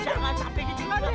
jangan sampai kita keluar don